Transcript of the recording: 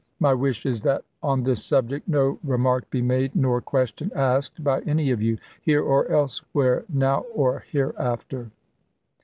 My wish is that on this subject no remark be made nor question asked by any of you, here or elsewhere, now or hereafter.